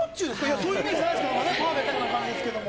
そういうイメージないですけどね、パーフェクトな感じですけれども。